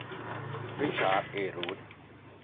ริชาร์ด เอ รูธ